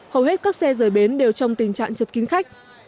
hầu hết các xe rời bến đều trong tình trạng chật kín khách